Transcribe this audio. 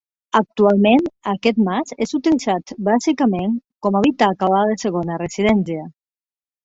Actualment aquest mas és utilitzat bàsicament com habitacle de segona residència.